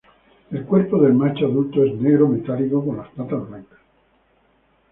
El cuerpo del macho adulto es negro metálico con las patas blancas.